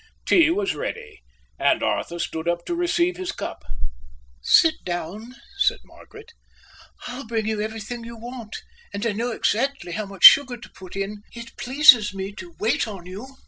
Tea was ready, and Arthur stood up to receive his cup. "Sit down," said Margaret. "I'll bring you everything you want, and I know exactly how much sugar to put in. It pleases me to wait on you."